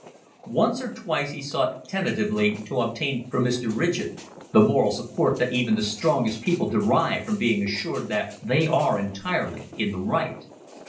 Once or twice he sought tentatively to obtain from Mr. Ridgett the moral support that even the strongest people derive from being assured that they are entirely in the right.